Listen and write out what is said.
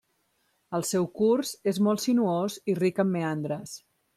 El seu curs és molt sinuós i ric en meandres.